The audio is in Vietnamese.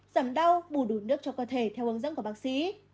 giảm đau bù đ đủ nước cho cơ thể theo hướng dẫn của bác sĩ